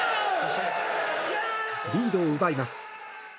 リードを奪います。